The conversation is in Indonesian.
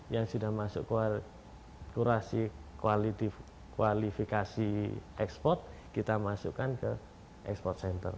yang sudah masuk kurasi kualifikasi ekspor kita masukkan ke ekspor center